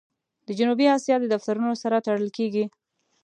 د جنوبي آسیا د دفترونو سره تړل کېږي.